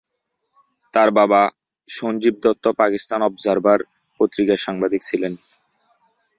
তার বাবা সঞ্জীব দত্ত 'পাকিস্তান অবজারভার' পত্রিকার সাংবাদিক ছিলেন।